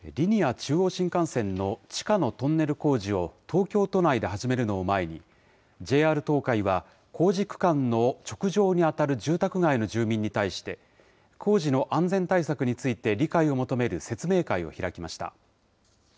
中央新幹線の地下のトンネル工事を東京都内で始めるのを前に、ＪＲ東海は工事区間の直上に当たる住宅街の住民に対して、工事の安全対策について理解を求める説明会を開きました。